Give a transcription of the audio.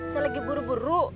saya lagi buru buru